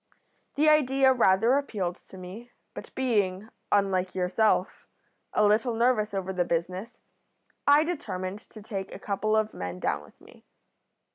"The idea rather appealed to me, but being, unlike yourself, a little nervous over the business, I determined to take a couple of men down with me.